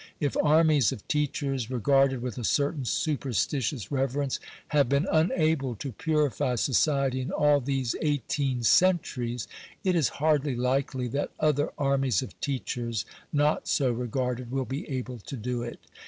If armies of teachers, regarded with a certain superstitious reverence, have been unable to purify society in all these eighteen centuries, it is hardly likely that other armies of teachers, not so regarded, will be able to do it.